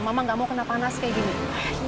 mama gak mau kena panas kayak gini